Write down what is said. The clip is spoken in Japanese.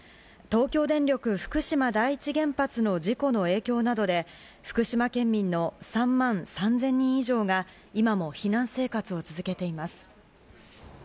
東京電力福島第一原発の事故の影響などで福島県民の３万３０００人以上が今も避難生活を続けています。